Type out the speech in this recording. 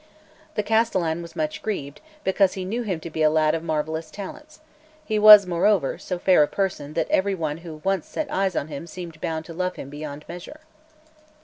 The castellan was much grieved, because he knew him to be a lad of marvellous talents; he was, moreover, so fair a person that every one who once set eyes on him seemed bound to love him beyond measure.